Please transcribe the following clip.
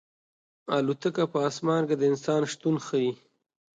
الوتکه په اسمان کې د انسان شتون ښيي.